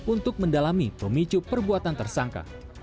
untuk mendalami pemicu perbuatan tersangka